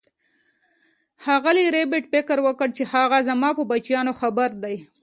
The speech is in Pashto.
ښاغلي ربیټ فکر وکړ چې هغه زما په بچیانو خبر دی